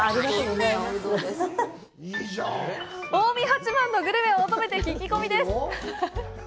近江八幡のグルメを求めて聞き込みです。